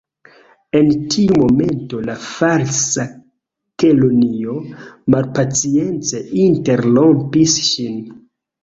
En tiu momento la Falsa Kelonio malpacience interrompis ŝin.